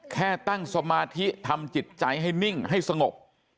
แค่ตั้งสมาธิทำจิตใจให้นิ่งให้สงบ